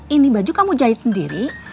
ini baju kamu jahit sendiri